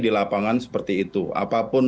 di lapangan seperti itu apapun